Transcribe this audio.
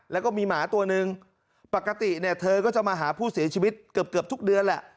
แล้วก็มีหมาตัวนึงปกติเนี่ยเธอก็จะมาหาผู้เสียชีวิตเกือบทุกเดือนแหละ